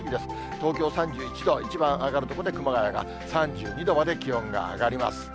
東京３１度、一番上がる所で、熊谷が３２度まで気温が上がります。